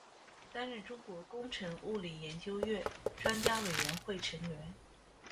担任中国工程物理研究院专家委员会成员。